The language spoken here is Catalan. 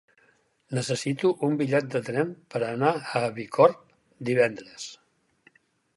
Necessito un bitllet de tren per anar a Bicorb divendres.